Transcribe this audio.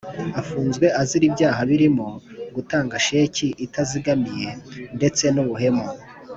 Afunzwe azira ibyaha birimo gutanga sheki itazigamiye ndetse n’ubuhemu.